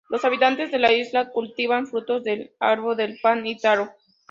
Los habitantes de la isla cultivan frutos del árbol del pan y taro.